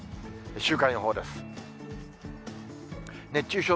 週間予報です。